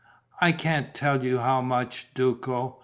I can't tell you how much, Duco.